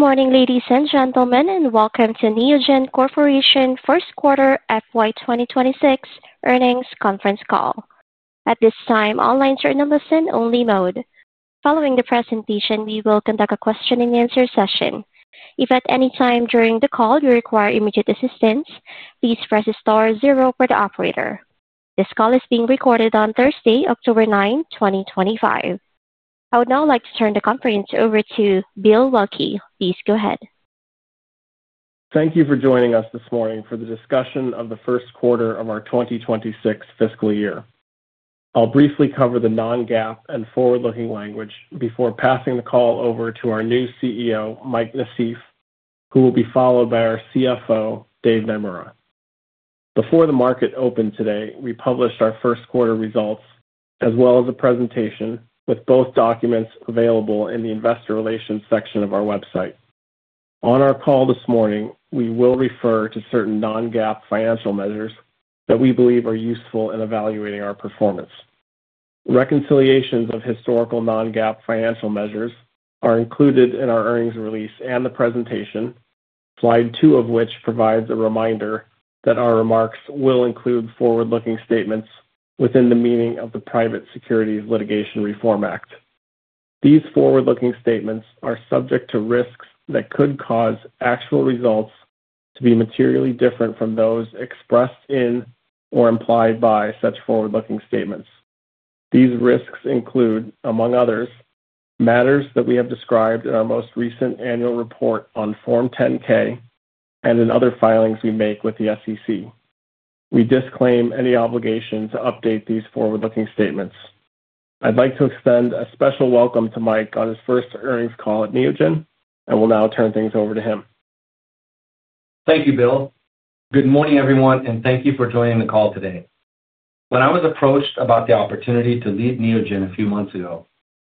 Good morning, ladies and gentlemen, and welcome to Neogen Corporation's first quarter FY 2026 earnings conference call. At this time, all lines are in a listen-only mode. Following the presentation, we will conduct a question-and-answer session. If at any time during the call you require immediate assistance, please press the star zero for the operator. This call is being recorded on Thursday, October 9, 2025. I would now like to turn the conference over to Bill Waelke. Please go ahead. Thank you for joining us this morning for the discussion of the first quarter of our 2026 fiscal year. I'll briefly cover the non-GAAP and forward-looking language before passing the call over to our new CEO, Mike Nassif, who will be followed by our CFO, Dave Naemura. Before the market opened today, we published our first quarter results, as well as a presentation with both documents available in the Investor Relations section of our website. On our call this morning, we will refer to certain non-GAAP financial measures that we believe are useful in evaluating our performance. Reconciliations of historical non-GAAP financial measures are included in our earnings release and the presentation, slide two of which provides a reminder that our remarks will include forward-looking statements within the meaning of the Private Securities Litigation Reform Act. These forward-looking statements are subject to risks that could cause actual results to be materially different from those expressed in or implied by such forward-looking statements. These risks include, among others, matters that we have described in our most recent annual report on Form 10-K and in other filings we make with the SEC. We disclaim any obligation to update these forward-looking statements. I'd like to extend a special welcome to Mike on his first earnings call at Neogen, and we'll now turn things over to him. Thank you, Bill. Good morning, everyone, and thank you for joining the call today. When I was approached about the opportunity to lead Neogen a few months ago,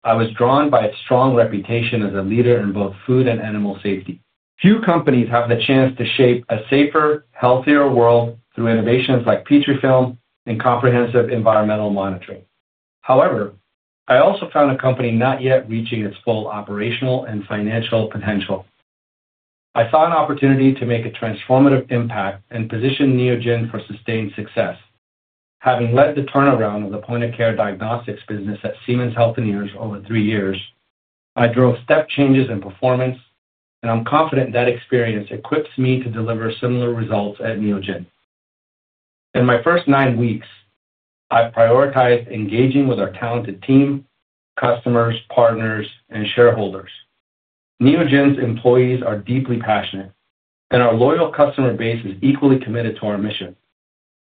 I was drawn by its strong reputation as a leader in both food and animal safety. Few companies have the chance to shape a safer, healthier world through innovations like Petrifilm and comprehensive environmental monitoring. However, I also found a company not yet reaching its full operational and financial potential. I saw an opportunity to make a transformative impact and position Neogen for sustained success. Having led the turnaround of the point-of-care diagnostics business at Siemens Healthineers over three years, I drove step changes in performance, and I'm confident that experience equips me to deliver similar results at Neogen. In my first nine weeks, I've prioritized engaging with our talented team, customers, partners, and shareholders. Neogen's employees are deeply passionate, and our loyal customer base is equally committed to our mission.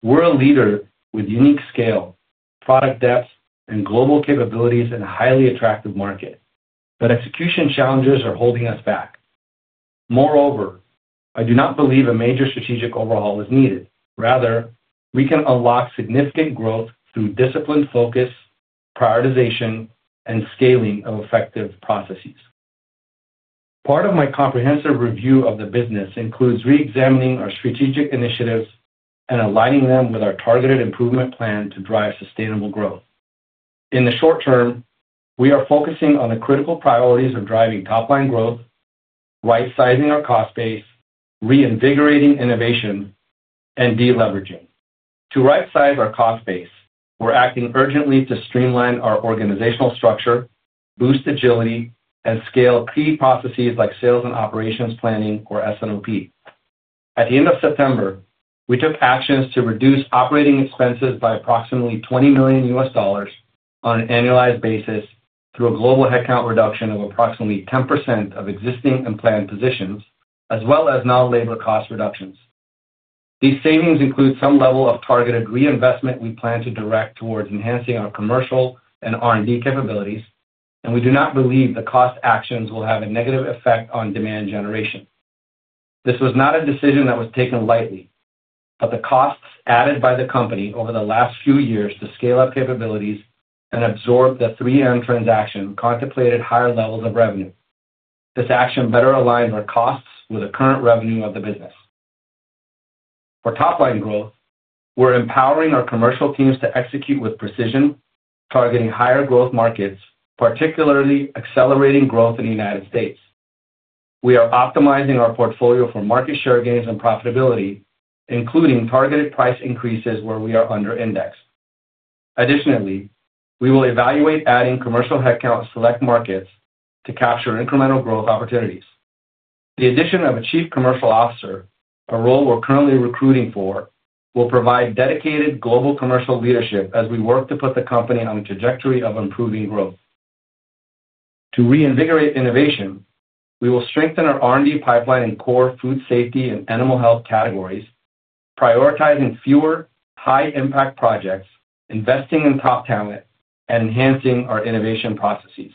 We're a leader with unique scale, product depth, and global capabilities in a highly attractive market, but execution challenges are holding us back. Moreover, I do not believe a major strategic overhaul is needed. Rather, we can unlock significant growth through disciplined focus, prioritization, and scaling of effective processes. Part of my comprehensive review of the business includes reexamining our strategic initiatives and aligning them with our targeted improvement plan to drive sustainable growth. In the short-term, we are focusing on the critical priorities of driving top-line growth, right-sizing our cost base, reinvigorating innovation, and deleveraging. To right-size our cost base, we're acting urgently to streamline our organizational structure, boost agility, and scale key processes like sales and operations planning, or S&OP. At the end of September, we took actions to reduce operating expenses by approximately $20 million on an annualized basis through a global headcount reduction of approximately 10% of existing and planned positions, as well as non-labor cost reductions. These savings include some level of targeted reinvestment we plan to direct towards enhancing our commercial and R&D capabilities, and we do not believe the cost actions will have a negative effect on demand generation. This was not a decision that was taken lightly, but the costs added by the company over the last few years to scale up capabilities and absorb the 3M transaction contemplated higher levels of revenue. This action better aligned our costs with the current revenue of the business. For top-line growth, we're empowering our commercial teams to execute with precision, targeting higher growth markets, particularly accelerating growth in the United States. We are optimizing our portfolio for market share gains and profitability, including targeted price increases where we are under-indexed. Additionally, we will evaluate adding commercial headcount in select markets to capture incremental growth opportunities. The addition of a Chief Commercial Officer, a role we're currently recruiting for, will provide dedicated global commercial leadership as we work to put the company on the trajectory of improving growth. To reinvigorate innovation, we will strengthen our R&D pipeline in core food safety and animal health categories, prioritizing fewer high-impact projects, investing in top talent, and enhancing our innovation processes.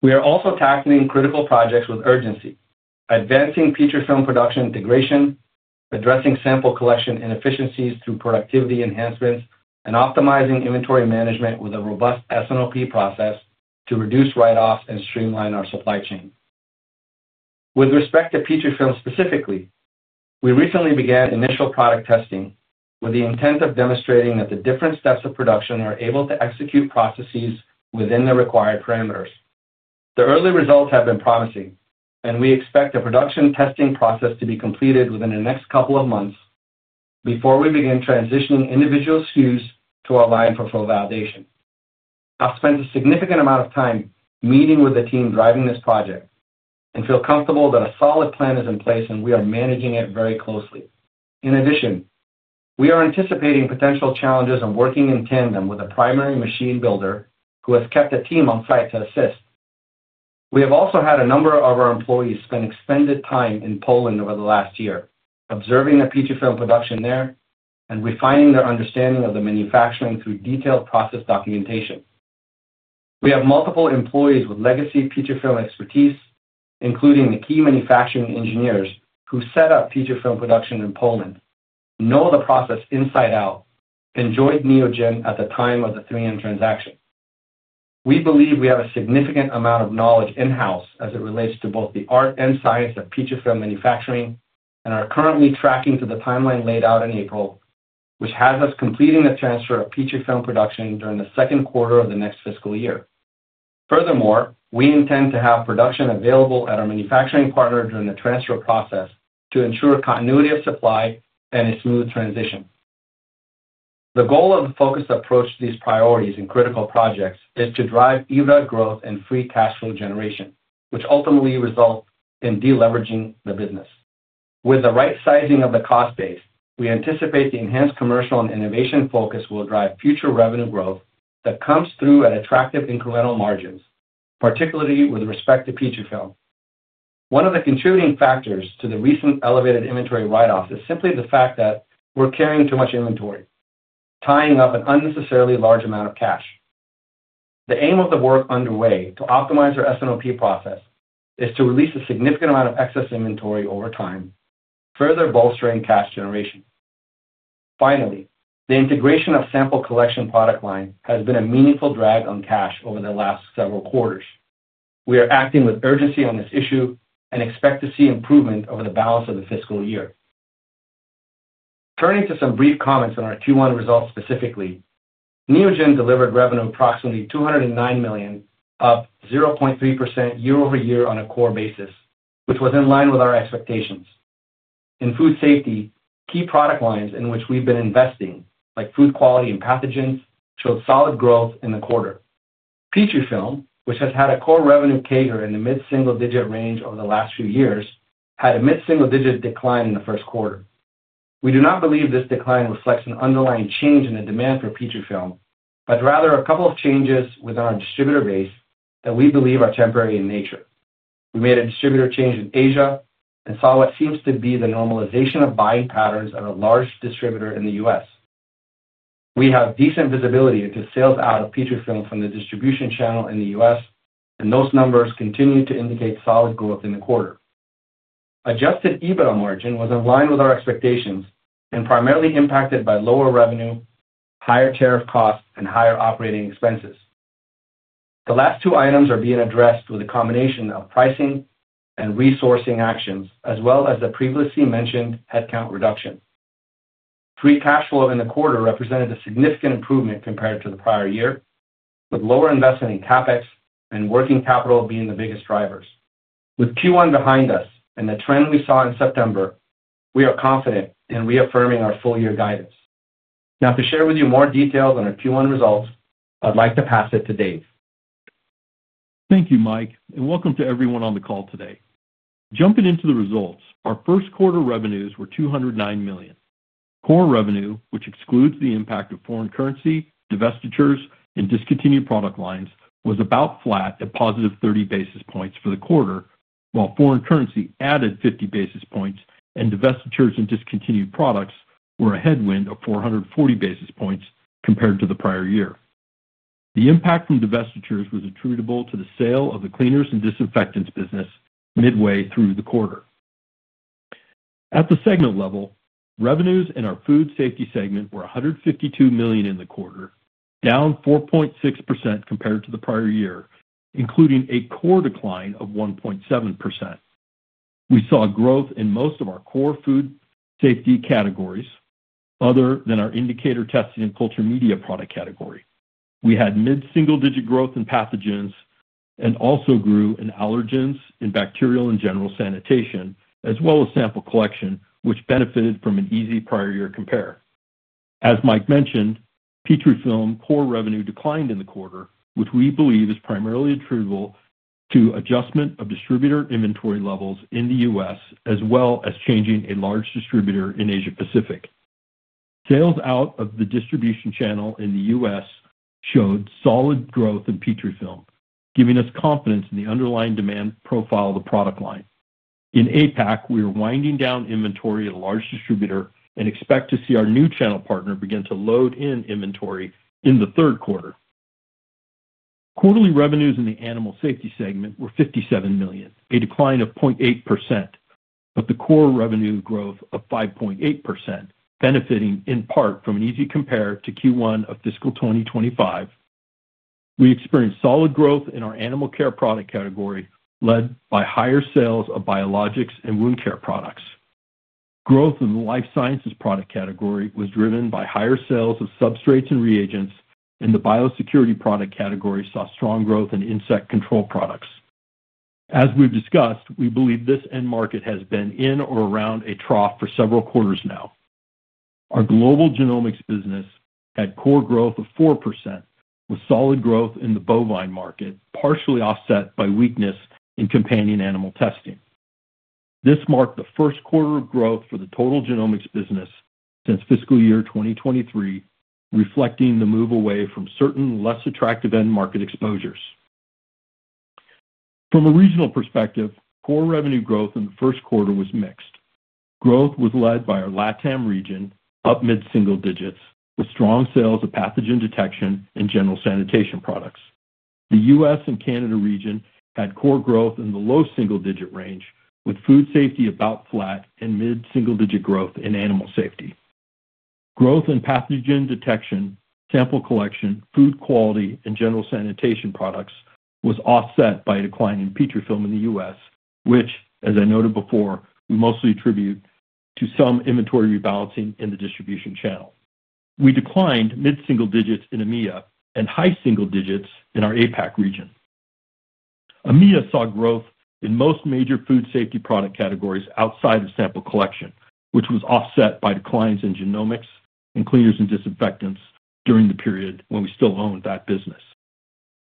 We are also tackling critical projects with urgency, advancing Petrifilm production integration, addressing sample collection inefficiencies through productivity enhancements, and optimizing inventory management with a robust S&OP process to reduce write-offs and streamline our supply chain. With respect to Petrifilm specifically, we recently began initial product testing with the intent of demonstrating that the different steps of production are able to execute processes within the required parameters. The early results have been promising, and we expect a production testing process to be completed within the next couple of months before we begin transitioning individual SKUs to our line for full validation. I've spent a significant amount of time meeting with the team driving this project and feel comfortable that a solid plan is in place and we are managing it very closely. In addition, we are anticipating potential challenges and working in tandem with a primary machine builder who has kept a team on site to assist. We have also had a number of our employees spend extended time in Poland over the last year, observing the Petrifilm production there and refining their understanding of the manufacturing through detailed process documentation. We have multiple employees with legacy Petrifilm expertise, including the key manufacturing engineers who set up Petrifilm production in Poland, know the process inside out, and joined Neogen at the time of the 3M transaction. We believe we have a significant amount of knowledge in-house as it relates to both the art and science of Petrifilm manufacturing and are currently tracking to the timeline laid out in April, which has us completing the transfer of Petrifilm production during the second quarter of the next fiscal year. Furthermore, we intend to have production available at our manufacturing partner during the transfer process to ensure continuity of supply and a smooth transition. The goal of the focused approach to these priorities and critical projects is to drive EBITDA growth and free cash flow generation, which ultimately results in deleveraging the business. With the right sizing of the cost base, we anticipate the enhanced commercial and innovation focus will drive future revenue growth that comes through in attractive incremental margins, particularly with respect to Petrifilm. One of the contributing factors to the recent elevated inventory write-offs is simply the fact that we're carrying too much inventory, tying up an unnecessarily large amount of cash. The aim of the work underway to optimize our S&OP process is to release a significant amount of excess inventory over time, further bolstering cash generation. Finally, the integration of sample collection product line has been a meaningful drag on cash over the last several quarters. We are acting with urgency on this issue and expect to see improvement over the balance of the fiscal year. Turning to some brief comments on our Q1 results specifically, Neogen delivered revenue approximately $209 million, up 0.3% year-over-year on a core basis, which was in line with our expectations. In food safety, key product lines in which we've been investing, like food quality and pathogens, showed solid growth in the quarter. Petrifilm, which has had a core revenue crater in the mid-single-digit range over the last few years, had a mid-single-digit decline in the first quarter. We do not believe this decline reflects an underlying change in the demand for Petrifilm, but rather a couple of changes within our distributor base that we believe are temporary in nature. We made a distributor change in Asia and saw what seems to be the normalization of buying patterns at a large distributor in the U.S. We have decent visibility into sales out of Petrifilm from the distribution channel in the U.S., and those numbers continue to indicate solid growth in the quarter. Adjusted EBITDA margin was in line with our expectations and primarily impacted by lower revenue, higher tariff costs, and higher operating expenses. The last two items are being addressed with a combination of pricing and resourcing actions, as well as the previously mentioned headcount reduction. Free cash flow in the quarter represented a significant improvement compared to the prior year, with lower investment in CapEx and working capital being the biggest drivers. With Q1 behind us and the trend we saw in September, we are confident in reaffirming our full-year guidance. Now, to share with you more details on our Q1 results, I'd like to pass it to Dave. Thank you, Mike, and welcome to everyone on the call today. Jumping into the results, our first quarter revenues were $209 million. Core revenue, which excludes the impact of foreign currency, divestitures, and discontinued product lines, was about flat at +30 basis points for the quarter, while foreign currency added 50 basis points and divestitures and discontinued products were a headwind of 440 basis points compared to the prior year. The impact from divestitures was attributable to the sale of the cleaners and disinfectants business midway through the quarter. At the segment level, revenues in our food safety segment were $152 million in the quarter, down 4.6% compared to the prior year, including a core decline of 1.7%. We saw growth in most of our core food safety categories, other than our indicator testing and culture media product category. We had mid-single-digit growth in pathogens and also grew in allergens and bacterial and general sanitation, as well as sample collection, which benefited from an easy prior year compare. As Mike mentioned, Petrifilm core revenue declined in the quarter, which we believe is primarily attributable to adjustment of distributor inventory levels in the U.S., as well as changing a large distributor in Asia-Pacific. Sales out of the distribution channel in the U.S. showed solid growth in Petrifilm, giving us confidence in the underlying demand profile of the product line. In APAC, we are winding down inventory at a large distributor and expect to see our new channel partner begin to load in inventory in the third quarter. Quarterly revenues in the animal safety segment were $57 million, a decline of 0.8%, with the core revenue growth of 5.8% benefiting in part from an easy compare to Q1 of fiscal 2025. We experienced solid growth in our animal care product category, led by higher sales of biologics and wound care products. Growth in the life sciences product category was driven by higher sales of substrates and reagents, and the biosecurity product category saw strong growth in insect control products. We believe this end market has been in or around a trough for several quarters now. Our global genomics business had core growth of 4%, with solid growth in the bovine market, partially offset by weakness in companion animal testing. This marked the first quarter of growth for the total genomics business since fiscal year 2023, reflecting the move away from certain less attractive end market exposures. From a regional perspective, core revenue growth in the first quarter was mixed. Growth was led by our LATAM region, up mid-single digits, with strong sales of pathogen detection and general sanitation products. The U.S. and Canada region had core growth in the low single-digit range, with food safety about flat and mid-single-digit growth in animal safety. Growth in pathogen detection, sample collection, food quality, and general sanitation products was offset by a decline in Petrifilm in the U.S., which, as I noted before, we mostly attribute to some inventory rebalancing in the distribution channel. We declined mid-single digits in AMEA and high single digits in our APAC region. AMEA saw growth in most major food safety product categories outside of sample collection, which was offset by declines in genomics and cleaners and disinfectants during the period when we still owned that business.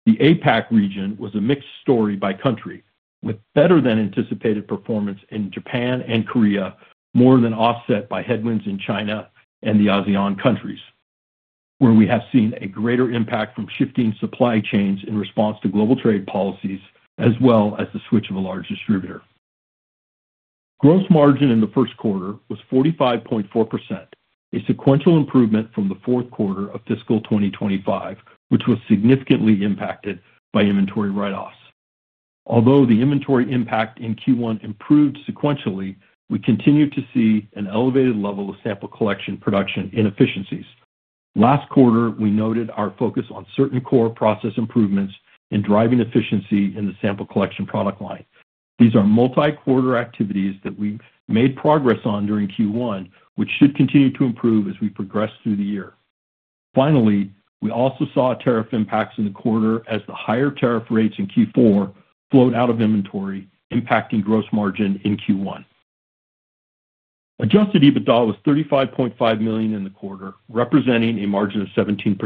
The APAC region was a mixed story by country, with better than anticipated performance in Japan and Korea, more than offset by headwinds in China and the ASEAN countries, where we have seen a greater impact from shifting supply chains in response to global trade policies, as well as the switch of a large distributor. Gross margin in the first quarter was 45.4%, a sequential improvement from the fourth quarter of fiscal 2025, which was significantly impacted by inventory write-offs. Although the inventory impact in Q1 improved sequentially, we continued to see an elevated level of sample collection production inefficiencies. Last quarter, we noted our focus on certain core process improvements and driving efficiency in the sample collection product line. These are multi-quarter activities that we made progress on during Q1, which should continue to improve as we progress through the year. Finally, we also saw tariff impacts in the quarter as the higher tariff rates in Q4 flowed out of inventory, impacting gross margin in Q1. Adjusted EBITDA was $35.5 million in the quarter, representing a margin of 17%.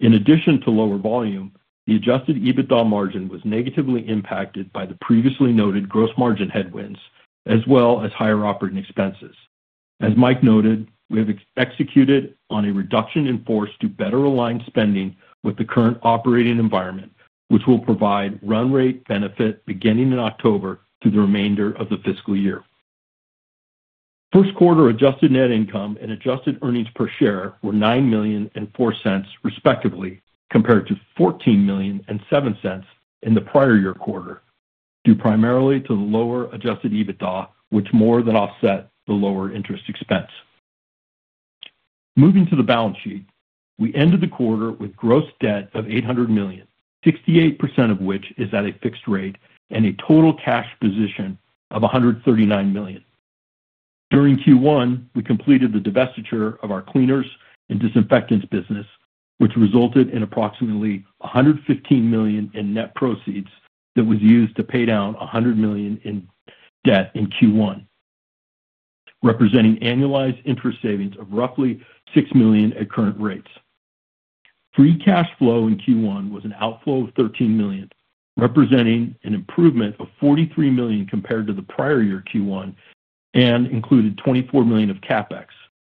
In addition to lower volume, the adjusted EBITDA margin was negatively impacted by the previously noted gross margin headwinds, as well as higher operating expenses. As Mike noted, we have executed on a reduction in force to better align spending with the current operating environment, which will provide run rate benefit beginning in October through the remainder of the fiscal year. First quarter adjusted net income and adjusted earnings per share were $9 million and $0.04, respectively, compared to $14 million and $0.07 in the prior year quarter, due primarily to the lower adjusted EBITDA, which more than offset the lower interest expense. Moving to the balance sheet, we ended the quarter with gross debt of $800 million, 68% of which is at a fixed rate, and a total cash position of $139 million. During Q1, we completed the divestiture of our cleaners and disinfectants business, which resulted in approximately $115 million in net proceeds that was used to pay down $100 million in debt in Q1, representing annualized interest savings of roughly $6 million at current rates. Free cash flow in Q1 was an outflow of $13 million, representing an improvement of $43 million compared to the prior year Q1 and included $24 million of CapEx,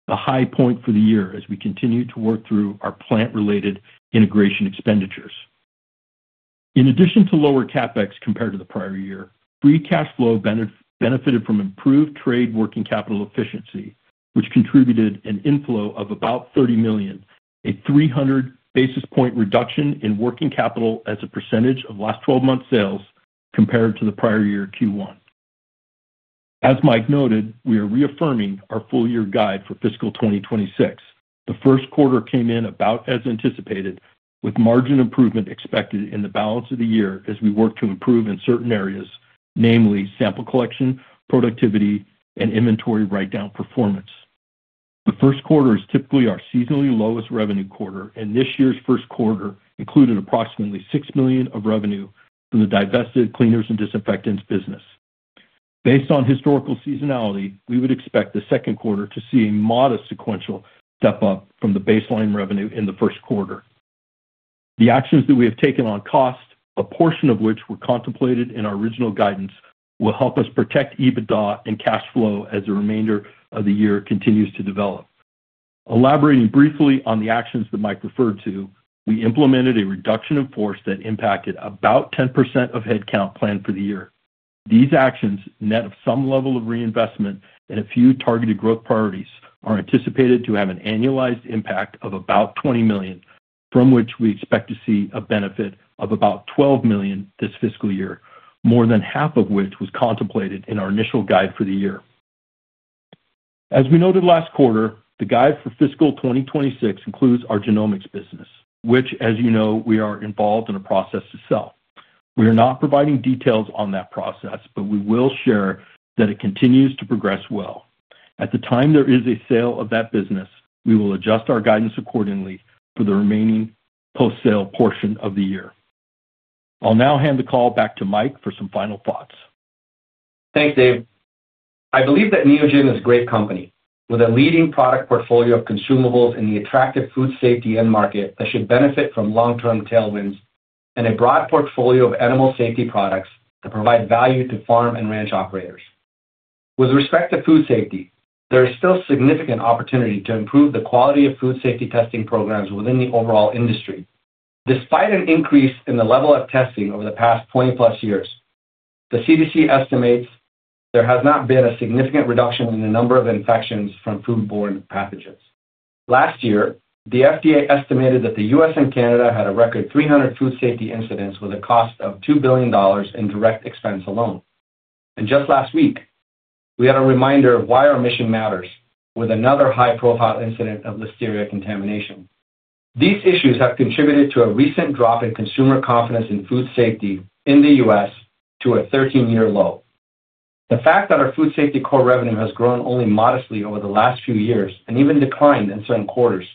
a high point for the year as we continue to work through our plant-related integration expenditures. In addition to lower CapEx compared to the prior year, free cash flow benefited from improved trade working capital efficiency, which contributed an inflow of about $30 million, a 300 basis point reduction in working capital as a percentage of last 12 months' sales compared to the prior year Q1. As Mike noted, we are reaffirming our full-year guide for fiscal 2026. The first quarter came in about as anticipated, with margin improvement expected in the balance of the year as we work to improve in certain areas, namely sample collection, productivity, and inventory write-down performance. The first quarter is typically our seasonally lowest revenue quarter, and this year's first quarter included approximately $6 million of revenue from the divested cleaners and disinfectants business. Based on historical seasonality, we would expect the second quarter to see a modest sequential step up from the baseline revenue in the first quarter. The actions that we have taken on cost, a portion of which were contemplated in our original guidance, will help us protect EBITDA and cash flow as the remainder of the year continues to develop. Elaborating briefly on the actions that Mike referred to, we implemented a reduction of force that impacted about 10% of headcount planned for the year. These actions, net of some level of reinvestment and a few targeted growth priorities, are anticipated to have an annualized impact of about $20 million, from which we expect to see a benefit of about $12 million this fiscal year, more than half of which was contemplated in our initial guide for the year. As we noted last quarter, the guide for fiscal 2026 includes our genomics business, which, as you know, we are involved in a process to sell. We are not providing details on that process, but we will share that it continues to progress well. At the time there is a sale of that business, we will adjust our guidance accordingly for the remaining post-sale portion of the year. I'll now hand the call back to Mike for some final thoughts. Thanks, Dave. I believe that Neogen is a great company, with a leading product portfolio of consumables in the attractive food safety end market that should benefit from long-term tailwinds and a broad portfolio of animal safety products that provide value to farm and ranch operators. With respect to food safety, there is still significant opportunity to improve the quality of food safety testing programs within the overall industry. Despite an increase in the level of testing over the past 20+ years, the CDC estimates there has not been a significant reduction in the number of infections from food-borne pathogens. Last year, the FDA estimated that the U.S. and Canada had a record 300 food safety incidents with a cost of $2 billion in direct expense alone. Just last week, we had a reminder of why our mission matters, with another high-profile incident of Listeria contamination. These issues have contributed to a recent drop in consumer confidence in food safety in the U.S. to a 13-year low. The fact that our food safety core revenue has grown only modestly over the last few years and even declined in certain quarters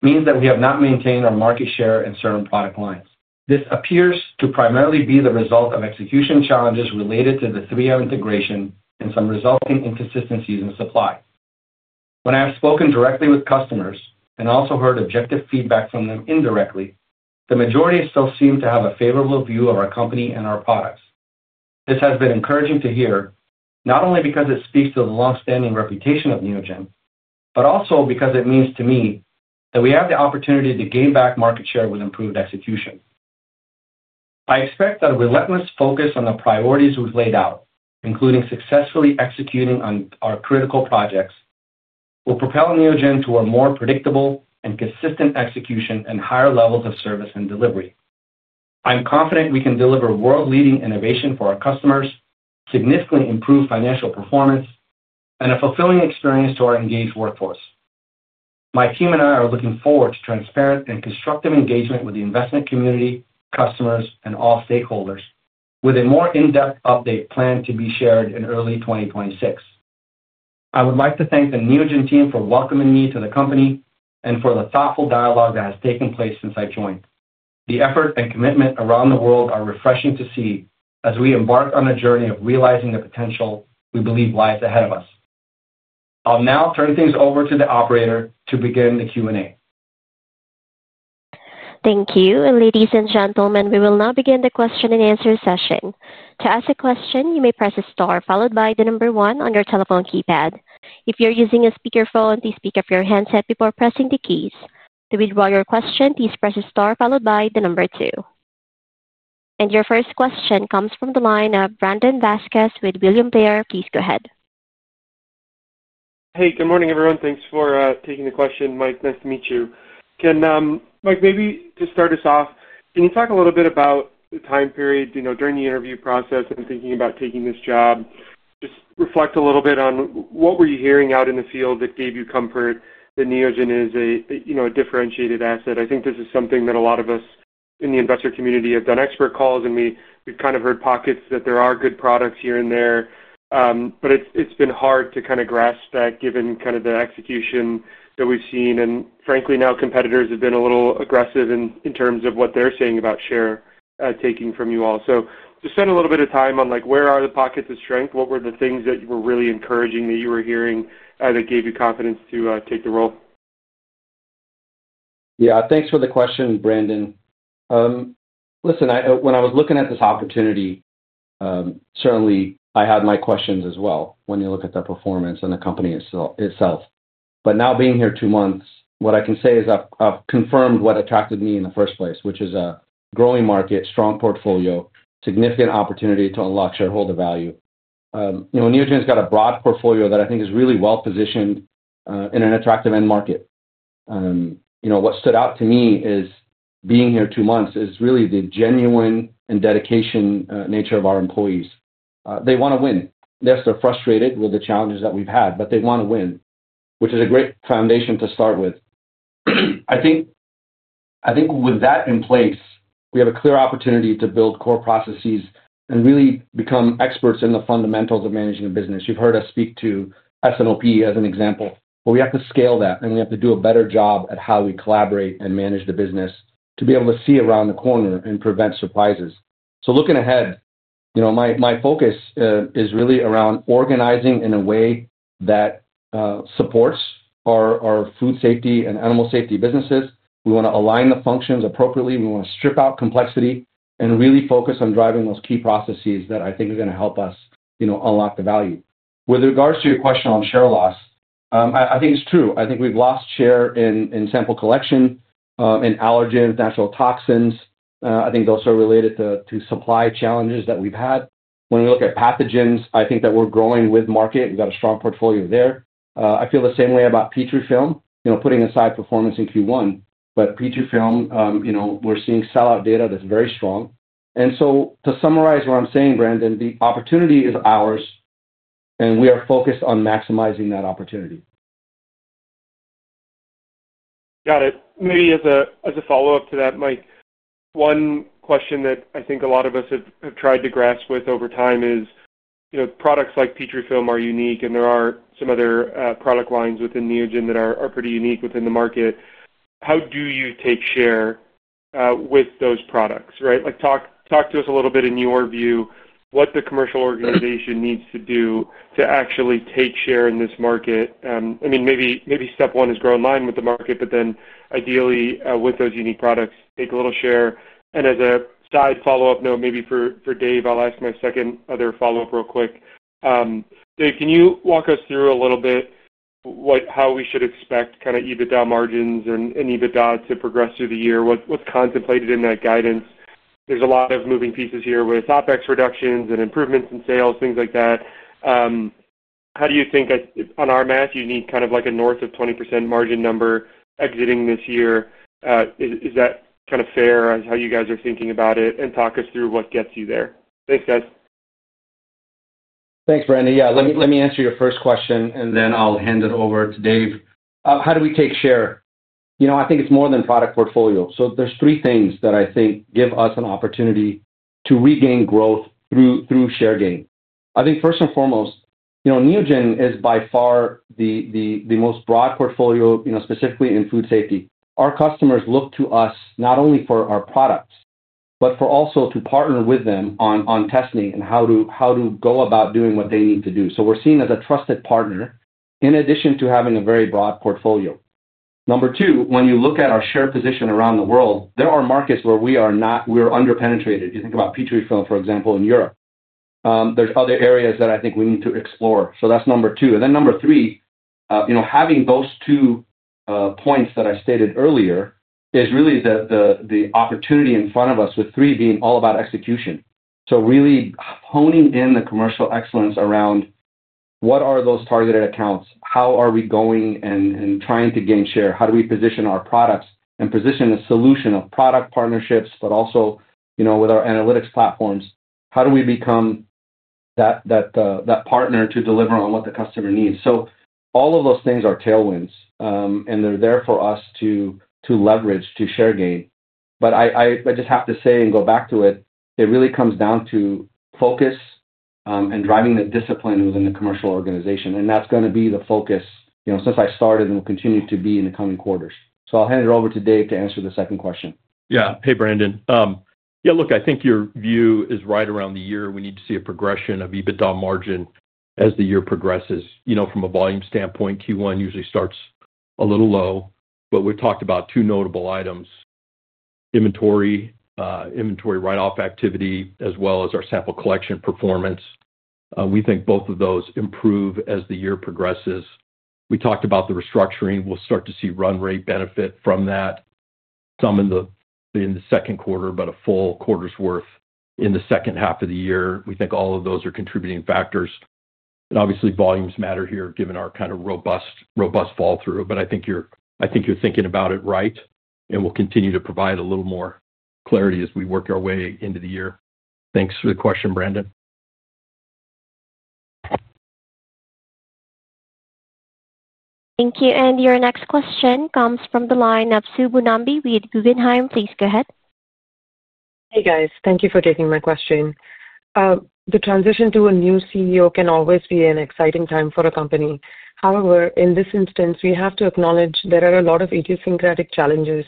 means that we have not maintained our market share in certain product lines. This appears to primarily be the result of execution challenges related to the 3M integration and some resulting inconsistencies in supply. When I have spoken directly with customers and also heard objective feedback from them indirectly, the majority still seem to have a favorable view of our company and our products. This has been encouraging to hear, not only because it speaks to the longstanding reputation of Neogen, but also because it means to me that we have the opportunity to gain back market share with improved execution. I expect that a relentless focus on the priorities we've laid out, including successfully executing on our critical projects, will propel Neogen to a more predictable and consistent execution and higher levels of service and delivery. I'm confident we can deliver world-leading innovation for our customers, significantly improve financial performance, and a fulfilling experience to our engaged workforce. My team and I are looking forward to transparent and constructive engagement with the investment community, customers, and all stakeholders, with a more in-depth update planned to be shared in early 2026. I would like to thank the Neogen team for welcoming me to the company and for the thoughtful dialogue that has taken place since I joined. The effort and commitment around the world are refreshing to see as we embark on the journey of realizing the potential we believe lies ahead of us. I'll now turn things over to the operator to begin the Q&A. Thank you, ladies and gentlemen. We will now begin the question and answer session. To ask a question, you may press star followed by the number one on your telephone keypad. If you're using a speakerphone, please pick up your headset before pressing the keys. To withdraw your question, please press star followed by the number two. Your first question comes from the line of Brandon Vazquez with William Blair. Please go ahead. Hey, good morning, everyone. Thanks for taking the question, Mike. Nice to meet you. Mike, maybe just start us off. Can you talk a little bit about the time period during the interview process and thinking about taking this job? Just reflect a little bit on what were you hearing out in the field that gave you comfort that Neogen is a differentiated asset? I think this is something that a lot of us in the investor community have done expert calls, and we've kind of heard pockets that there are good products here and there, but it's been hard to kind of grasp that given the execution that we've seen. Frankly, now competitors have been a little aggressive in terms of what they're saying about share, taking from you all. Just spend a little bit of time on where are the pockets of strength. What were the things that were really encouraging that you were hearing that gave you confidence to take the role? Yeah, thanks for the question, Brandon. Listen, when I was looking at this opportunity, certainly I had my questions as well when you look at the performance and the company itself. Now being here two months, what I can say is I've confirmed what attracted me in the first place, which is a growing market, strong portfolio, significant opportunity to unlock shareholder value. You know, Neogen's got a broad portfolio that I think is really well-positioned in an attractive end market. What stood out to me being here two months is really the genuine and dedicated nature of our employees. They want to win. They're frustrated with the challenges that we've had, but they want to win, which is a great foundation to start with. I think with that in place, we have a clear opportunity to build core processes and really become experts in the fundamentals of managing the business. You've heard us speak to S&OP as an example, but we have to scale that and we have to do a better job at how we collaborate and manage the business to be able to see around the corner and prevent surprises. Looking ahead, my focus is really around organizing in a way that supports our food safety and animal safety businesses. We want to align the functions appropriately. We want to strip out complexity and really focus on driving those key processes that I think are going to help us unlock the value. With regards to your question on share loss, I think it's true. I think we've lost share in sample collection, and allergens, natural toxins. I think those are related to supply challenges that we've had. When we look at pathogens, I think that we're growing with market. We've got a strong portfolio there. I feel the same way about Petrifilm, putting aside performance in Q1, but Petrifilm, we're seeing sell-out data that's very strong. To summarize what I'm saying, Brandon, the opportunity is ours and we are focused on maximizing that opportunity. Got it. Maybe as a follow-up to that, Mike, one question that I think a lot of us have tried to grasp with over time is, you know, products like Petrifilm are unique and there are some other product lines within Neogen that are pretty unique within the market. How do you take share with those products, right? Talk to us a little bit in your view, what the commercial organization needs to do to actually take share in this market. I mean, maybe step one is grow in line with the market, but then ideally, with those unique products, take a little share. As a side follow-up note, maybe for Dave, I'll ask my second other follow-up real quick. Dave, can you walk us through a little bit what how we should expect kind of EBITDA margins and EBITDA to progress through the year? What's contemplated in that guidance? There's a lot of moving pieces here with OpEx reductions and improvements in sales, things like that. How do you think on our math, you need kind of like a north of 20% margin number exiting this year? Is that kind of fair as how you guys are thinking about it? Talk us through what gets you there. Thanks, guys. Thanks, Brandon. Let me answer your first question and then I'll hand it over to Dave. How do we take share? I think it's more than product portfolio. There are three things that I think give us an opportunity to regain growth through share gain. First and foremost, Neogen is by far the most broad portfolio, specifically in food safety. Our customers look to us not only for our product, but also to partner with them on testing and how to go about doing what they need to do. We're seen as a trusted partner in addition to having a very broad portfolio. Number two, when you look at our share position around the world, there are markets where we are underpenetrated. You think about Petrifilm, for example, in Europe. There are other areas that I think we need to explore. That's number two. Number three, having those two points that I stated earlier is really the opportunity in front of us, with three being all about execution. Really honing in the commercial excellence around what are those targeted accounts, how are we going and trying to gain share, how do we position our products and position a solution of product partnerships, but also with our analytics platforms. How do we become that partner to deliver on what the customer needs? All of those things are tailwinds, and they're there for us to leverage to share gain. I just have to say and go back to it, it really comes down to focus and driving the discipline within the commercial organization. That's going to be the focus since I started and will continue to be in the coming quarters. I'll hand it over to Dave to answer the second question. Yeah. Hey, Brandon. Yeah, look, I think your view is right around the year. We need to see a progression of EBITDA margin as the year progresses. You know, from a volume standpoint, Q1 usually starts a little low, but we've talked about two notable items: inventory, inventory write-off activity, as well as our sample collection performance. We think both of those improve as the year progresses. We talked about the restructuring. We'll start to see run rate benefit from that, some in the second quarter, but a full quarter's worth in the second half of the year. We think all of those are contributing factors. Obviously, volumes matter here given our kind of robust fall through. I think you're thinking about it right, and we'll continue to provide a little more clarity as we work our way into the year. Thanks for the question, Brandon. Thank you. Your next question comes from the line of Subbu Nambi with Guggenheim. Please go ahead. Hey, guys. Thank you for taking my question. The transition to a new CEO can always be an exciting time for a company. However, in this instance, we have to acknowledge there are a lot of idiosyncratic challenges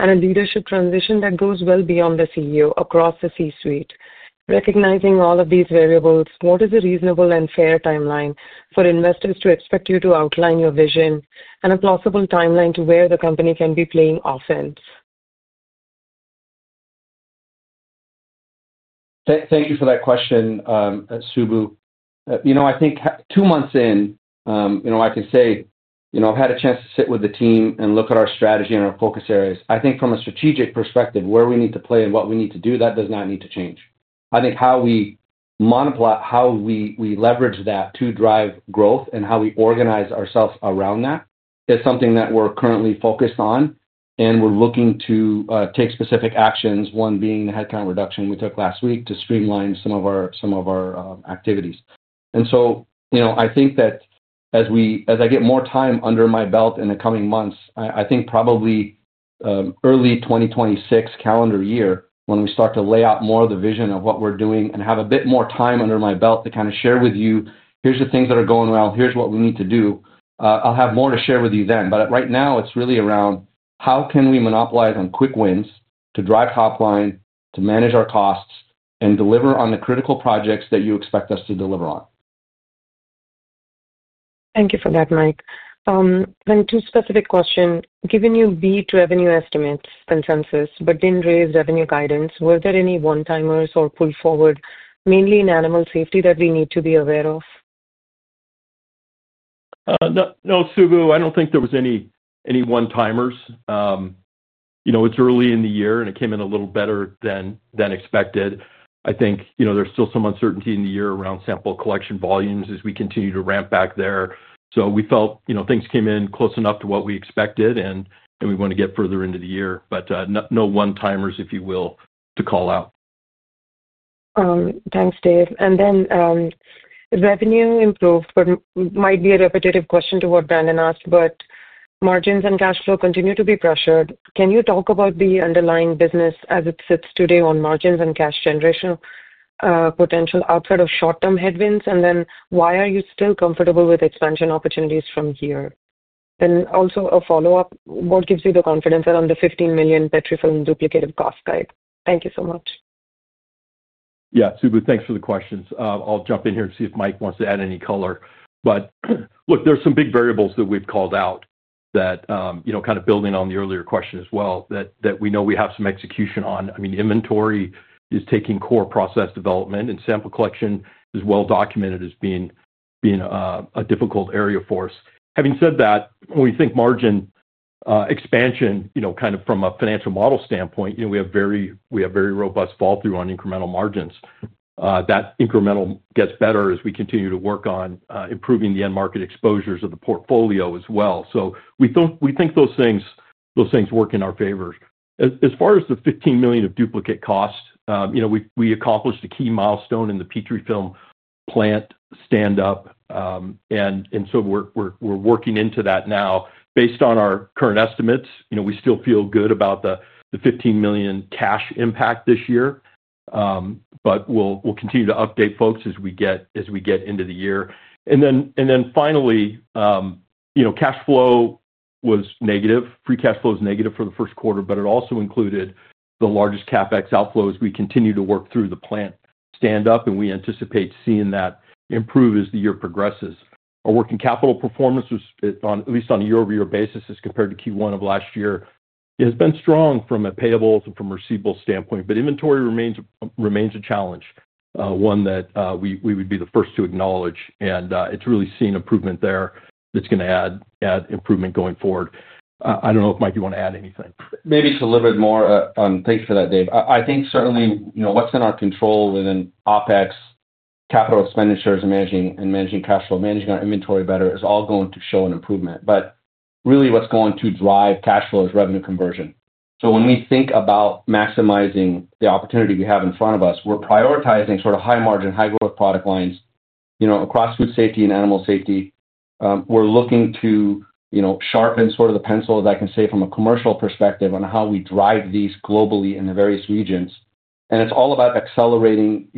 and a leadership transition that goes well beyond the CEO across the C-suite. Recognizing all of these variables, what is a reasonable and fair timeline for investors to expect you to outline your vision and a plausible timeline to where the company can be playing offense? Thank you for that question, Subbu. I think two months in, I can say I've had a chance to sit with the team and look at our strategy and our focus areas. I think from a strategic perspective, where we need to play and what we need to do, that does not need to change. I think how we monopolize, how we leverage that to drive growth and how we organize ourselves around that is something that we're currently focused on, and we're looking to take specific actions, one being the headcount reduction we took last week to streamline some of our activities. I think that as I get more time under my belt in the coming months, probably early 2026 calendar year, when we start to lay out more of the vision of what we're doing and have a bit more time under my belt to kind of share with you, here's the things that are going well, here's what we need to do. I'll have more to share with you then. Right now, it's really around how can we monopolize on quick wins to drive top line, to manage our costs, and deliver on the critical projects that you expect us to deliver on. Thank you for that, Mike. Two specific questions. Given your B2 revenue estimates consensus, but didn't raise revenue guidance, were there any one-timers or pull forward mainly in animal safety that we need to be aware of? No, Subbu, I don't think there was any one-timers. You know, it's early in the year, and it came in a little better than expected. I think there's still some uncertainty in the year around sample collection volumes as we continue to ramp back there. We felt things came in close enough to what we expected, and we want to get further into the year. No one-timers, if you will, to call out. Thanks, Dave. Revenue improved, but it might be a repetitive question to what Brandon asked. Margins and cash flow continue to be pressured. Can you talk about the underlying business as it sits today on margins and cash generation potential outside of short-term headwinds? Why are you still comfortable with expansion opportunities from here? Also, a follow-up, what gives you the confidence that under $15 million Petrifilm duplicative cost guide? Thank you so much. Yeah, Subbu, thanks for the questions. I'll jump in here and see if Mike wants to add any color. Look, there's some big variables that we've called out that, you know, kind of building on the earlier question as well, that we know we have some execution on. I mean, inventory is taking core process development, and sample collection is well-documented as being a difficult area for us. Having said that, when we think margin expansion, you know, kind of from a financial model standpoint, we have very robust fall through on incremental margins. That incremental gets better as we continue to work on improving the end market exposures of the portfolio as well. We think those things work in our favor. As far as the $15 million of duplicate cost, we accomplished a key milestone in the Petrifilm plant standup, and so we're working into that now. Based on our current estimates, we still feel good about the $15 million cash impact this year, but we'll continue to update folks as we get into the year. Finally, you know, cash flow was negative. Free cash flow is negative for the first quarter, but it also included the largest CapEx outflow as we continue to work through the plant standup, and we anticipate seeing that improve as the year progresses. Our working capital performance was, at least on a year-over-year basis as compared to Q1 of last year, strong from a payables and from a receivables standpoint, but inventory remains a challenge, one that we would be the first to acknowledge, and it's really seeing improvement there that's going to add improvement going forward. I don't know if Mike, you want to add anything? Maybe just a little bit more on that, thanks for that, Dave. I think certainly, you know, what's in our control within OpEx, capital expenditures, managing cash flow, managing our inventory better is all going to show an improvement. What is really going to drive cash flow is revenue conversion. When we think about maximizing the opportunity we have in front of us, we're prioritizing sort of high margin, high growth product lines, you know, across food safety and animal safety. We're looking to sharpen sort of the pencil, if I can say, from a commercial perspective on how we drive these globally in the various regions. It's all about accelerating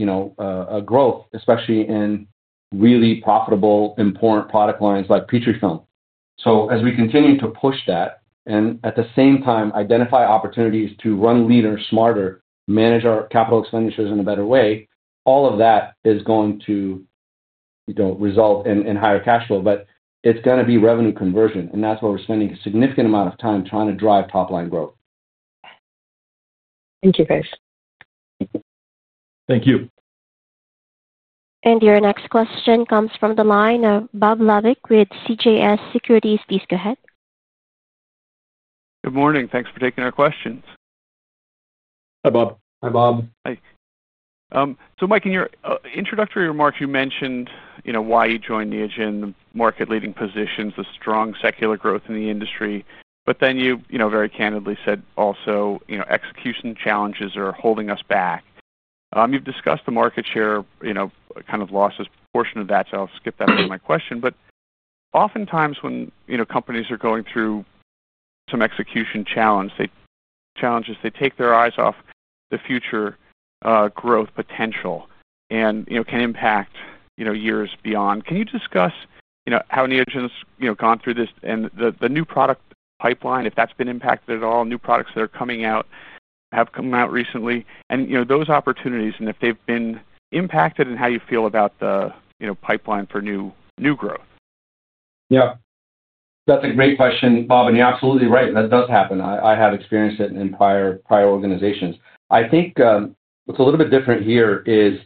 growth, especially in really profitable, important product lines like Petrifilm. As we continue to push that and at the same time identify opportunities to run leaner, smarter, manage our capital expenditures in a better way, all of that is going to result in higher cash flow. It's going to be revenue conversion, and that's where we're spending a significant amount of time trying to drive top-line growth. Thank you, guys. Thank you. Your next question comes from the line of Bob Labick with CJS Securities. Please go ahead. Good morning. Thanks for taking our questions. Hi, Bob. Hi, Bob. Hi. Mike, in your introductory remarks, you mentioned why you joined Neogen and the market leading positions, the strong secular growth in the industry, but then you very candidly said also execution challenges are holding us back. You've discussed the market share losses portion of that, so I'll skip that out of my question. Oftentimes when companies are going through some execution challenges, they take their eyes off the future growth potential and can impact years beyond. Can you discuss how Neogen's gone through this and the new product pipeline, if that's been impacted at all, new products that are coming out, have come out recently, and those opportunities and if they've been impacted and how you feel about the pipeline for new growth. Yeah. That's a great question, Bob, and you're absolutely right. That does happen. I have experienced it in prior organizations. I think what's a little bit different here is,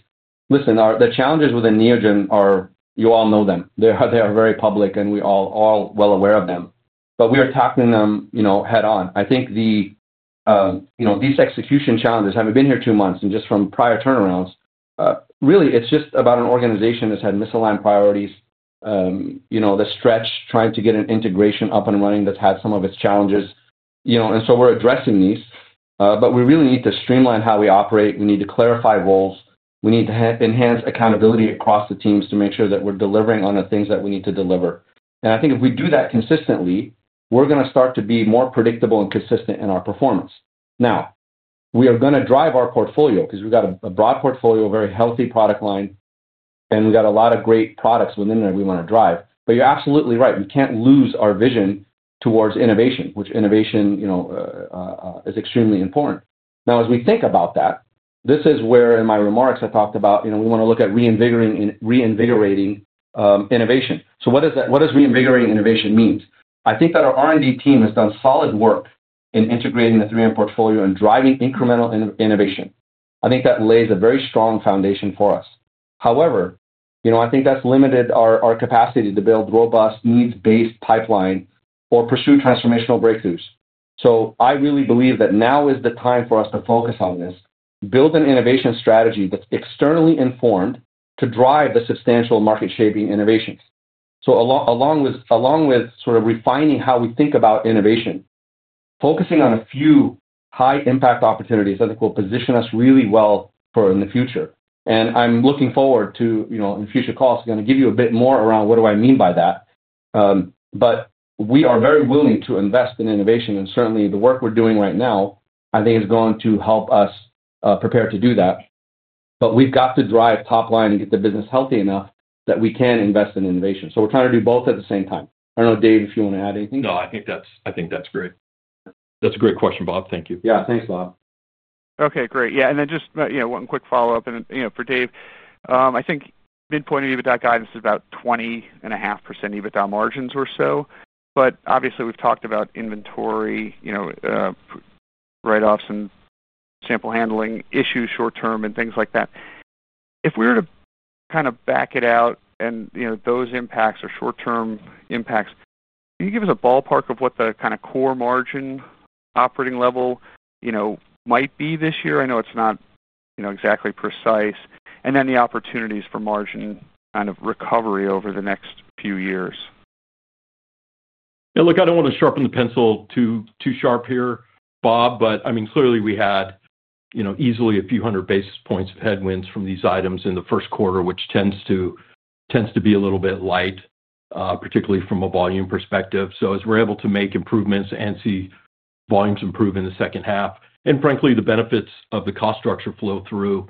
listen, the challenges within Neogen are, you all know them. They are very public and we're all well aware of them. We are tackling them head-on. I think these execution challenges haven't been here two months and just from prior turnarounds, really, it's just about an organization that's had misaligned priorities, that stretch trying to get an integration up and running that's had some of its challenges, and we are addressing these, but we really need to streamline how we operate. We need to clarify roles. We need to enhance accountability across the teams to make sure that we're delivering on the things that we need to deliver. I think if we do that consistently, we're going to start to be more predictable and consistent in our performance. We are going to drive our portfolio because we've got a broad portfolio, a very healthy product line, and we've got a lot of great products within there we want to drive. You're absolutely right. We can't lose our vision towards innovation, which is extremely important. As we think about that, this is where in my remarks I talked about, we want to look at reinvigorating innovation. What does reinvigorating innovation mean? I think that our R&D team has done solid work in integrating the 3M portfolio and driving incremental innovation. I think that lays a very strong foundation for us. However, I think that's limited our capacity to build a robust needs-based pipeline or pursue transformational breakthroughs. I really believe that now is the time for us to focus on this, build an innovation strategy that's externally informed to drive the substantial market-shaping innovations. Along with refining how we think about innovation, focusing on a few high-impact opportunities, I think will position us really well in the future. I'm looking forward to, in future calls, I'm going to give you a bit more around what I mean by that. We are very willing to invest in innovation, and certainly the work we're doing right now, I think, is going to help us prepare to do that. We've got to drive top line and get the business healthy enough that we can invest in innovation. We're trying to do both at the same time. I don't know, Dave, if you want to add anything? No, I think that's great. That's a great question, Bob. Thank you. Yeah, thanks, Bob. Okay, great. Yeah, and then just, you know, one quick follow-up. For Dave, I think midpoint EBITDA guidance is about 20.5% EBITDA margins or so. Obviously, we've talked about inventory write-offs and sample handling issues short-term and things like that. If we were to kind of back it out and those impacts or short-term impacts, can you give us a ballpark of what the kind of core margin operating level might be this year? I know it's not exactly precise. Then the opportunities for margin kind of recovery over the next few years. Yeah, look, I don't want to sharpen the pencil too, too sharp here, Bob, but I mean, clearly we had, you know, easily a few hundred basis points of headwinds from these items in the first quarter, which tends to be a little bit light, particularly from a volume perspective. As we're able to make improvements and see volumes improve in the second half, and frankly, the benefits of the cost structure flow through,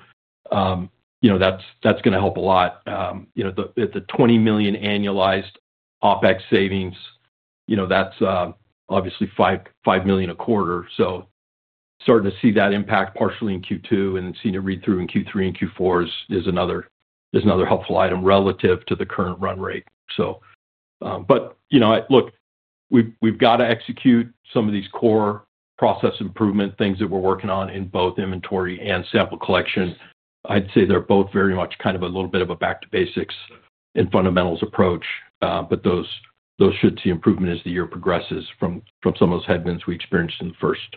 that's going to help a lot. The $20 million annualized OpEx savings, that's obviously $5 million a quarter. Starting to see that impact partially in Q2 and seeing it read through in Q3 and Q4 is another helpful item relative to the current run rate. I look, we've got to execute some of these core process improvement things that we're working on in both inventory and sample collection. I'd say they're both very much kind of a little bit of a back to basics and fundamentals approach, but those should see improvement as the year progresses from some of those headwinds we experienced in the first.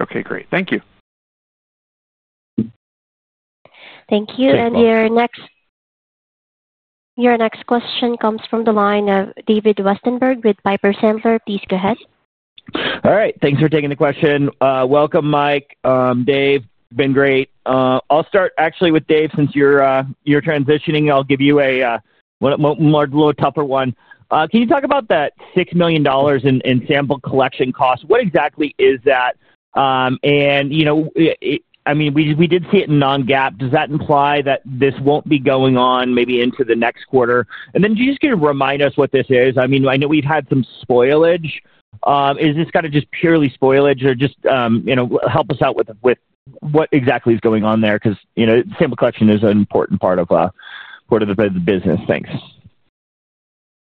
Okay, great. Thank you. Thank you. Your next question comes from the line of David Westenberg with Piper Sandler. Please go ahead. All right. Thanks for taking the question. Welcome, Mike. Dave, been great. I'll start actually with Dave since you're transitioning. I'll give you one more little tougher one. Can you talk about that $6 million in sample collection cost? What exactly is that? You know, we did see it in non-GAAP. Does that imply that this won't be going on maybe into the next quarter? Do you just get to remind us what this is? I mean, I know we've had some spoilage. Is this kind of just purely spoilage or just, you know, help us out with what exactly is going on there? Because, you know, sample collection is an important part of quarterly business. Thanks.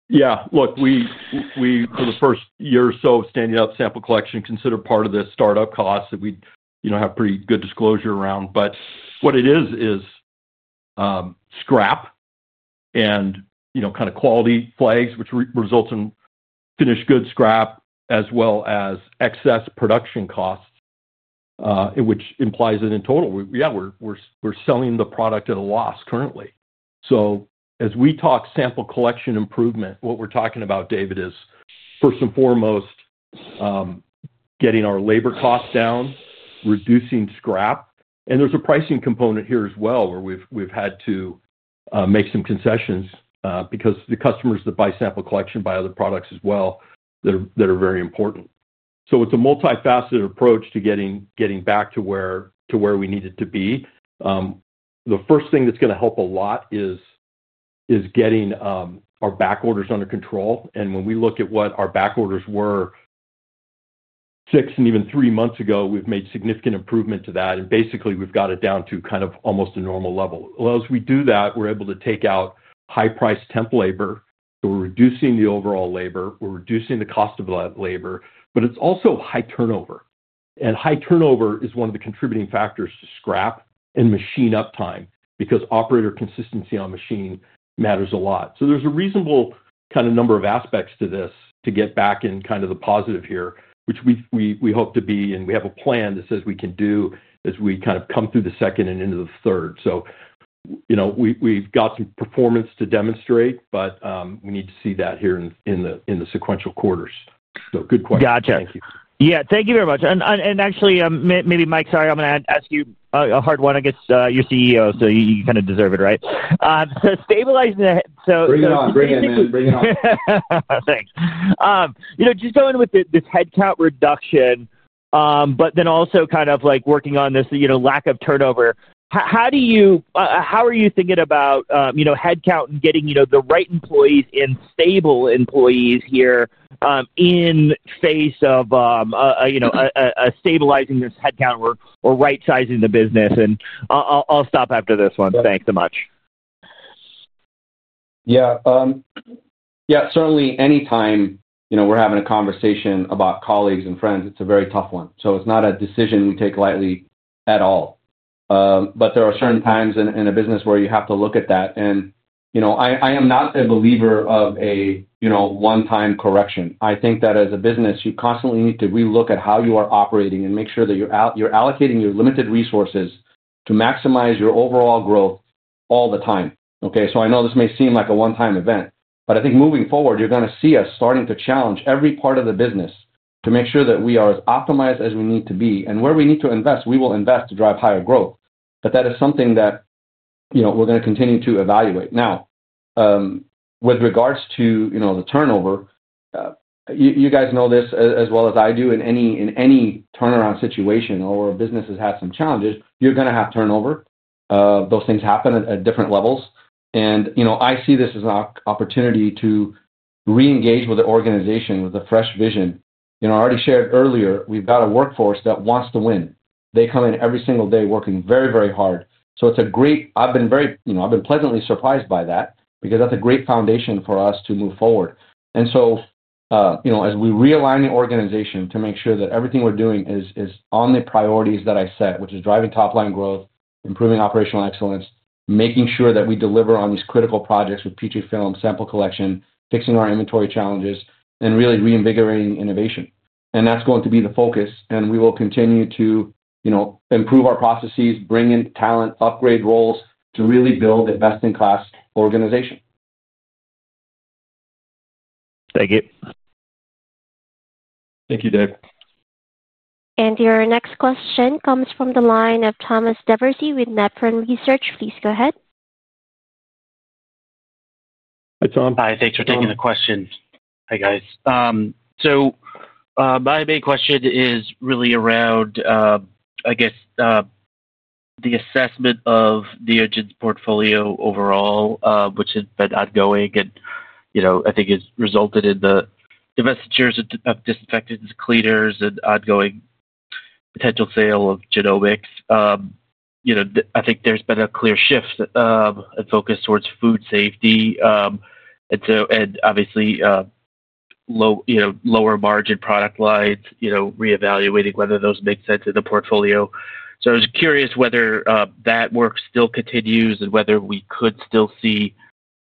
Yeah, look, for the first year or so of standing up sample collection, we considered part of the start-up costs that we have pretty good disclosure around. What it is, is scrap and kind of quality flags, which results in finished goods scrap, as well as excess production costs, which implies that in total, we're selling the product at a loss currently. As we talk sample collection improvement, what we're talking about, David, is first and foremost, getting our labor costs down and reducing scrap. There's a pricing component here as well where we've had to make some concessions, because the customers that buy sample collection buy other products as well that are very important. It's a multifaceted approach to getting back to where we needed to be. The first thing that's going to help a lot is getting our back orders under control. When we look at what our back orders were six and even three months ago, we've made significant improvement to that. Basically, we've got it down to almost a normal level. As we do that, we're able to take out high-priced temp labor. We're reducing the overall labor and the cost of that labor. It's also high turnover, and high turnover is one of the contributing factors to scrap and machine uptime because operator consistency on machine matters a lot. There's a reasonable number of aspects to this to get back in the positive here, which we hope to be, and we have a plan that says we can do as we come through the second and into the third. We've got some performance to demonstrate, but we need to see that here in the sequential quarters. Good question. Gotcha. Yeah, thank you very much. Actually, maybe Mike, sorry, I'm going to ask you a hard one against your CEO. You kind of deserve it, right? Bring it on. Bring it in. Bring it on. Thanks. Just going with this headcount reduction, but then also kind of like working on this lack of turnover, how do you, how are you thinking about headcount and getting the right employees and stable employees here, in the face of stabilizing this headcount or right-sizing the business? I'll stop after this one. Thanks so much. Yeah, certainly anytime we're having a conversation about colleagues and friends, it's a very tough one. It's not a decision you take lightly at all, but there are certain times in a business where you have to look at that. I am not a believer of a one-time correction. I think that as a business, you constantly need to relook at how you are operating and make sure that you're allocating your limited resources to maximize your overall growth all the time. I know this may seem like a one-time event, but I think moving forward, you're going to see us starting to challenge every part of the business to make sure that we are as optimized as we need to be. Where we need to invest, we will invest to drive higher growth. That is something that we're going to continue to evaluate. Now, with regards to the turnover, you guys know this as well as I do, in any turnaround situation or businesses that have some challenges, you're going to have turnover. Those things happen at different levels. I see this as an opportunity to re-engage with the organization with a fresh vision. I already shared earlier, we've got a workforce that wants to win. They come in every single day working very, very hard. I've been pleasantly surprised by that because that's a great foundation for us to move forward. As we realign the organization to make sure that everything we're doing is on the priorities that I set, which is driving top-line growth, improving operational excellence, making sure that we deliver on these critical projects with Petrifilm, sample collection, fixing our inventory challenges, and really reinvigorating innovation. That's going to be the focus. We will continue to improve our processes, bring in talent, upgrade roles to really build a best-in-class organization. Thank you. Thank you, Dave. Your next question comes from the line of Thomas DeBourcy with Nephron Research. Please go ahead. Hi, Tom. Hi, thanks for taking the question. Hey, guys. My main question is really around, I guess, the assessment of Neogen's portfolio overall, which has been ongoing and, you know, I think has resulted in the divestitures of cleaners and disinfectants and ongoing potential sale of genomics. You know, I think there's been a clear shift and focus towards food safety. Obviously, lower margin product lines, you know, reevaluating whether those make sense in the portfolio. I was curious whether that work still continues and whether we could still see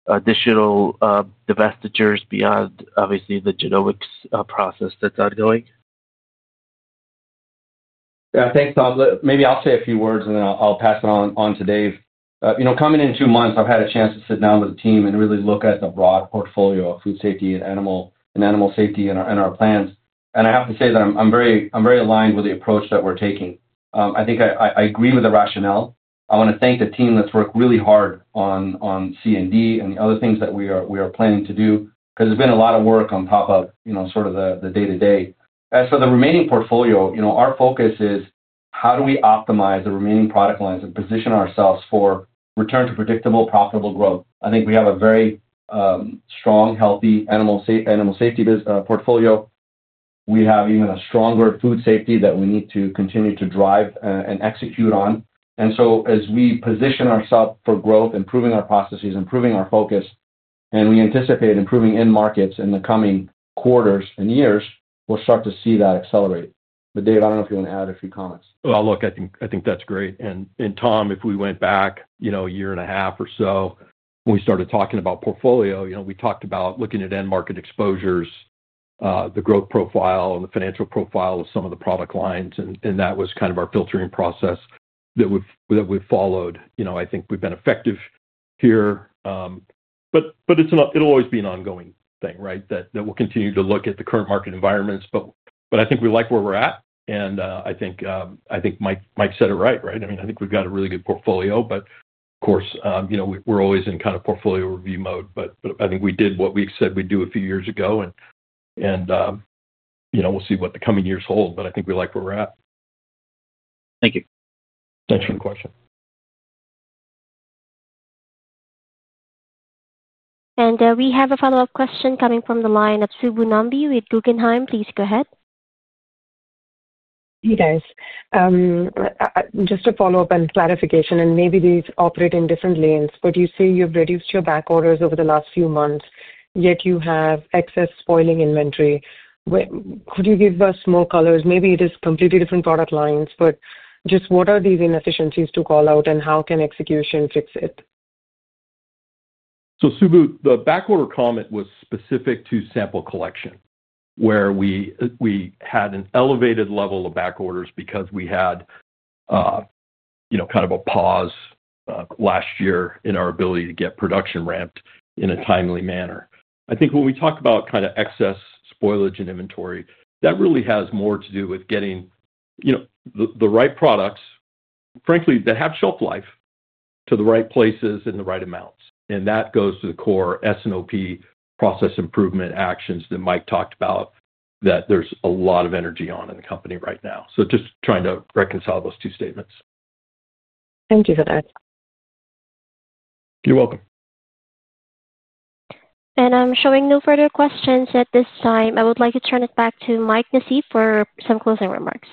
additional divestitures beyond, obviously, the genomics process that's ongoing. Yeah, thanks, Tom. Maybe I'll say a few words and then I'll pass it on to Dave. Coming in two months, I've had a chance to sit down with the team and really look at the broad portfolio of food safety and animal safety and our plans. I have to say that I'm very aligned with the approach that we're taking. I think I agree with the rationale. I want to thank the team that's worked really hard on C&D and the other things that we are planning to do because there's been a lot of work on top of the day-to-day. As for the remaining portfolio, our focus is how do we optimize the remaining product lines and position ourselves for return to predictable, profitable growth. I think we have a very strong, healthy animal safety portfolio. We have even a stronger food safety that we need to continue to drive and execute on. As we position ourselves for growth, improving our processes, improving our focus, and we anticipate improving in markets in the coming quarters and years, we'll start to see that accelerate. Dave, I don't know if you want to add a few comments. I think that's great. Tom, if we went back a year and a half or so, when we started talking about portfolio, we talked about looking at end market exposures, the growth profile, and the financial profile of some of the product lines. That was kind of our filtering process that we've followed. I think we've been effective here. It'll always be an ongoing thing, right? We'll continue to look at the current market environments. I think we like where we're at. I think Mike said it right, right? I think we've got a really good portfolio, but of course, we're always in kind of portfolio review mode. I think we did what we said we'd do a few years ago. We'll see what the coming years hold. I think we like where we're at. Thank you. Thanks for the question. We have a follow-up question coming from the line of Subbu Nambi with Guggenheim. Please go ahead. Hey, guys. Just a follow-up and clarification. Maybe these operate in different lanes, but you say you've reduced your back orders over the last few months, yet you have excess spoiling inventory. Could you give us more color? Maybe it is completely different product lines, but just what are these inefficiencies to call out and how can execution fix it? Subbu, the backorder comment was specific to sample collection, where we had an elevated level of backorders because we had, you know, kind of a pause last year in our ability to get production ramped in a timely manner. I think when we talk about kind of excess spoilage in inventory, that really has more to do with getting the right products, frankly, that have shelf life to the right places in the right amounts. That goes to the core S&OP process improvement actions that Mike talked about, that there's a lot of energy on in the company right now. Just trying to reconcile those two statements. Thank you for that. You're welcome. I'm showing no further questions at this time. I would like to turn it back to Mike Nassif for some closing remarks.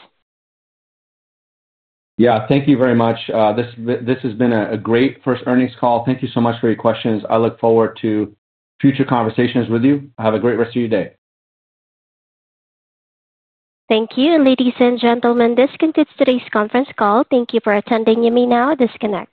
Thank you very much. This has been a great first earnings call. Thank you so much for your questions. I look forward to future conversations with you. Have a great rest of your day. Thank you. Ladies and gentlemen, this concludes today's conference call. Thank you for attending. You may now disconnect.